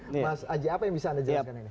mas aji apa yang bisa anda jelaskan ini